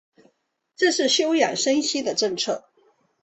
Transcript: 这就是休养生息的政策。